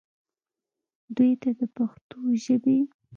دوي ته د پښتو ژبې